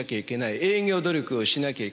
営業努力をしなきゃいけない。